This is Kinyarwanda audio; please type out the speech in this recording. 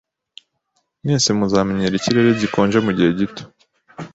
Mwese muzamenyera ikirere gikonje mugihe gito.